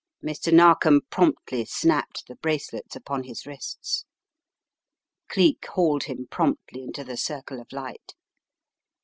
Mr. Narkom promptly snapped the bracelets upon his wrists. Cleek hauled him promptly into the circle of light.